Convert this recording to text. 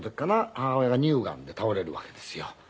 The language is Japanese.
母親が乳がんで倒れるわけですよ。